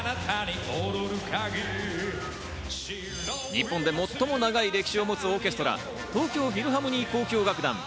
日本で最も長い歴史を持つオーケストラ、東京フィルハーモニー交響楽団。